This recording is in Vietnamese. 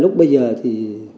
lúc bây giờ thì